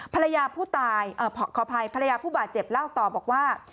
ภรรยาผู้บาดเจ็บเล่าตอบอกว่า